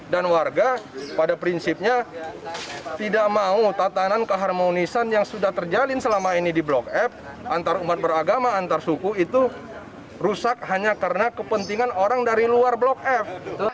dan warga pada prinsipnya tidak mau tatanan keharmonisan yang sudah terjalin selama ini di blok f antar umat beragama antar suku itu rusak hanya karena kepentingan orang dari luar blok f